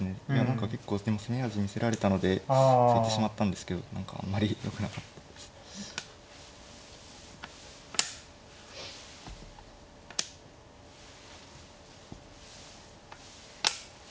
何か結構でも攻め味見せられたので突いてしまったんですけど何かあんまりよくなかったですね。